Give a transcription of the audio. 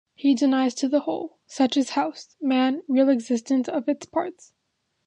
He denies to the whole, such as house, man, real existence of its parts.